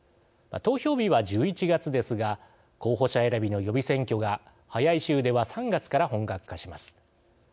投票日は１１月ですが候補者選びの予備選挙が早い州では３月から本格化します。